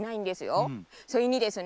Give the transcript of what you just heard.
それにですね